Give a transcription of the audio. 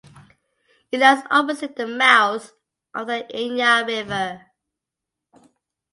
It lies opposite the mouth of the Inya River.